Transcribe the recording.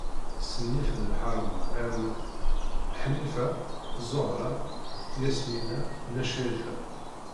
S nnif d lḥerma am: Ḥnifa, Zuhra, Yasmina, Na Crifa.